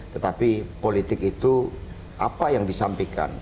tetapi politik itu apa yang disampaikan